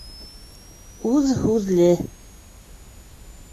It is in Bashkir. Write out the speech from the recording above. Үҙ һүҙле...